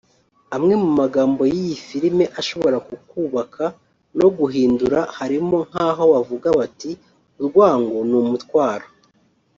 Amwe mu magambo y’iyi film ashobora kukubaka no kuguhindura harimo nkaho bavuga bati “Urwango ni umutwaro